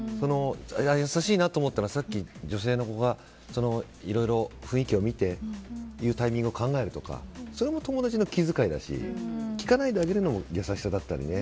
優しいなと思ったのはさっきの女性がいろいろ雰囲気を見て言うタイミングを考えるとかそれも友達の気遣いだし聞かないであげるのもやさしさだったりね。